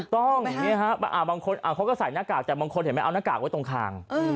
ถูกต้องเขาก็ใส่หน้ากากแต่บางคนเอาหน้ากากไว้ตรงข้าง